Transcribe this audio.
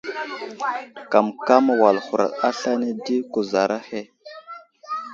Kamkam wal huraɗ aslane di kuzar ahe.